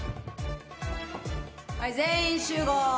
はい全員集合！